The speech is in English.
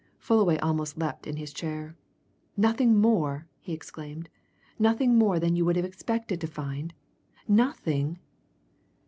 Fullaway almost leapt in his chair. "Nothing more!" he exclaimed. "Nothing more than you would have expected to find! Nothing?"